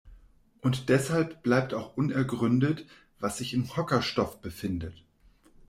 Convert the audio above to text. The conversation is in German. Und deshalb bleibt auch unergründet, was sich im Hockerstoff befindet.